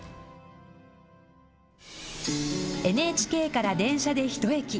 ＮＨＫから電車で一駅。